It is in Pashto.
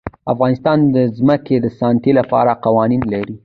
افغانستان د ځمکه د ساتنې لپاره قوانین لري.